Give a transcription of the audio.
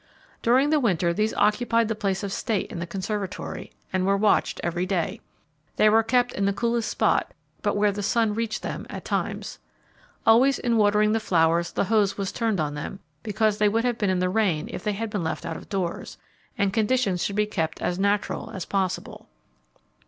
During the winter these occupied the place of state in the conservatory, and were watched every day. They were kept in the coolest spot, but where the sun reached them at times. Always in watering the flowers, the hose was turned on them, because they would have been in the rain if they had been left out of doors, and conditions should be kept as natural as possible.